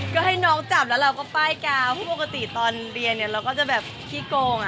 ก็ให้น้องจับแล้วเราก็ป้ายกาวเพราะปกติตอนเรียนเนี่ยเราก็จะแบบขี้โกงอ่ะ